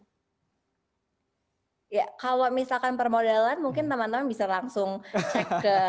ya kalau misalkan permodalan mungkin teman teman bisa langsung cek ke